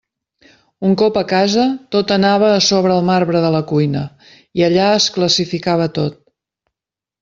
Un cop a casa, tot anava a sobre el marbre de la cuina, i allà es classificava tot.